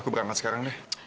aku berangkat sekarang deh